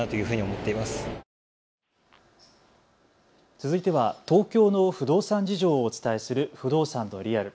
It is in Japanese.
続いては東京の不動産事情をお伝えする不動産のリアル。